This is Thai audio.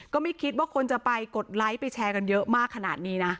ก็ไม่คิดว่าคนจะไปกดไลค์ไปแชร์กันเยอะมากขนาดนี้นะ